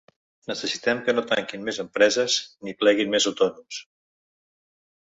Necessitem que no tanquin més empreses ni pleguin més autònoms.